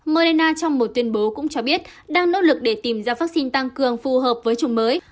mona trong một tuyên bố cũng cho biết đang nỗ lực để tìm ra vaccine tăng cường phù hợp với chủng mới